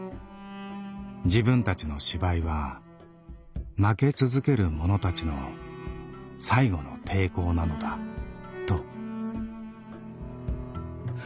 「自分たちの芝居は負け続けるものたちの最後の抵抗なのだ」と。